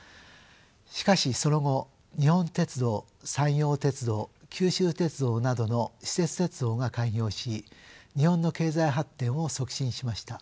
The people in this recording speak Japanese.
しかしその後日本鉄道山陽鉄道九州鉄道などの私設鉄道が開業し日本の経済発展を促進しました。